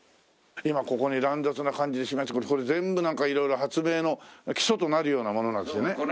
今ここに乱雑な感じでこれ全部なんか色々発明の基礎となるようなものなんですよね？